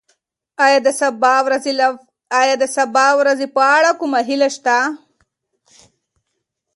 ایا د سبا ورځې په اړه کومه هیله شته؟